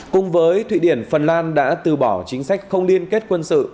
cùng với thụy điển phần lan đã từ bỏ chính sách không liên kết quân sự